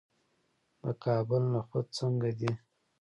د کابل نخود څنګه دي؟